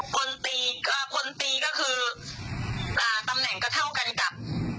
คนตีคนตีก็คืออ่าตำแหน่งก็เท่ากันกับ